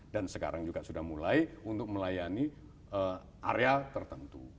dan sekarang juga sudah mulai untuk melayani area tertentu